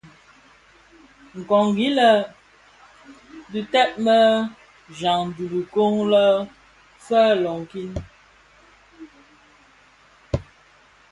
Nkongi lè bidheb më jaň i kiton fee loňkin.